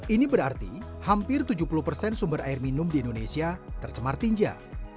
ini berarti hampir tujuh puluh persen sumber air minum di indonesia tercemar tinja